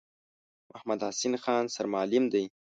محمدحسین خان سرمعلم دی.